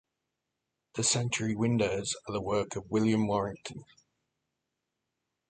The sanctuary windows are the work of William Warrington.